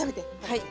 はい。